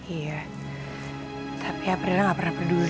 iya tapi apriela gak pernah peduli